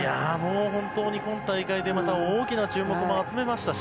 本当に今大会で大きな注目も集めましたし。